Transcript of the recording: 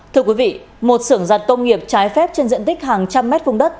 thưa quý vị một sưởng giặt công nghiệp trái phép trên diện tích hàng trăm mét vùng đất